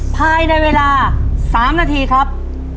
ภายในเวลา๓นาทีครับ